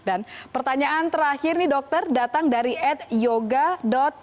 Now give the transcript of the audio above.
dan pertanyaan terakhir nih dokter datang dari at yoga com